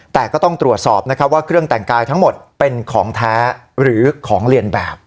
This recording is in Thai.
แต่ก็ต้องตรวจสอบนะครับว่าเครื่องแต่งกายทั้งหมดเป็นของแท้หรือของเรียนแบบ